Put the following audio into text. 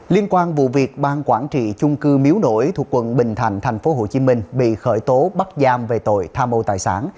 liên quan vụ việc bang quản trị chung cư miếu nổi thuộc quận bình thạnh tp hcm bị khởi tố bắt giam về tội tham mâu tài sản